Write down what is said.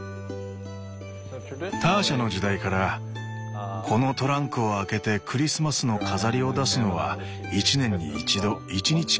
ターシャの時代から「このトランクを開けてクリスマスの飾りを出すのは一年に一度一日かぎり」